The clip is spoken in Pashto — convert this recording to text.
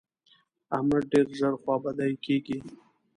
احمد ډېر ژر خوابدی کېږي.